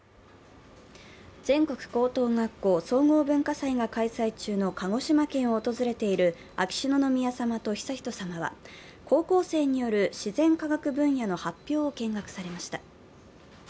全国高等学校総合文化祭が開催中の鹿児島県を訪れている秋篠宮さまと悠仁さまは、高校生による自然科学分野の発表を見学されました。